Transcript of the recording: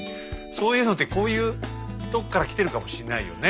そういうのってこういうとこからきてるかもしんないよね。